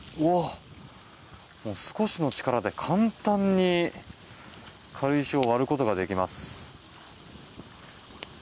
もう、少しの力で簡単に軽石を割ることができます。